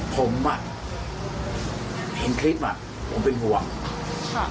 ผมอ่ะคลิปผมเป็นห่วงครับ